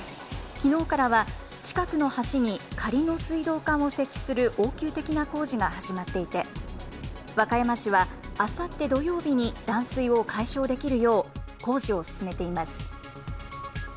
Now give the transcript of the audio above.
きのうからは、近くの橋に仮の水道管を設置する応急的な工事が始まっていて、和歌山市はあさって土曜日に断水を解消できるよう、工事を進めています。